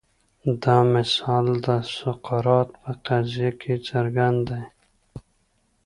دا مثال د سقراط په قضیه کې څرګند دی.